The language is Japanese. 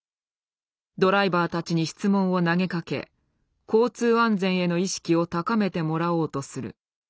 ドライバーたちに質問を投げかけ交通安全への意識を高めてもらおうとする。